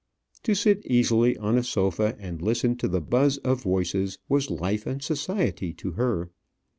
To sit easily on a sofa and listen to the buzz of voices was life and society to her.